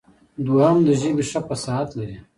دوهم د ژبې ښه فصاحت لري.